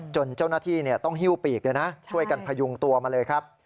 เจ้าหน้าที่ต้องหิ้วปีกเลยนะช่วยกันพยุงตัวมาเลยครับ